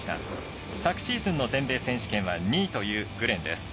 昨シーズンの全米選手権は２位というグレン。